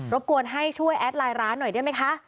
บกวนให้ช่วยแอดไลน์ร้านหน่อยได้ไหมคะ